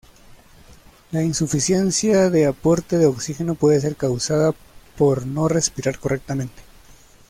La insuficiencia de aporte de oxígeno puede ser causada por no respirar correctamente.